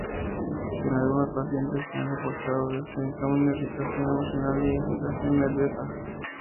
En algunos pacientes se han reportado desde insomnio, irritación emocional y agitación nerviosa.